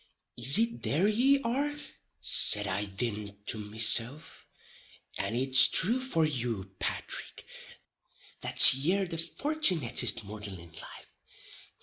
"Is it there ye are?" said I thin to mesilf, "and it's thrue for you, Pathrick, that ye're the fortunittest mortal in life.